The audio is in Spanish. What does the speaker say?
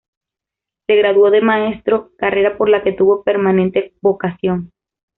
Se graduó de maestro, carrera por la que tuvo permanente vocación.